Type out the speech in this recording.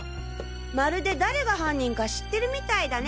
まるで誰が犯人か知ってるみたいだね。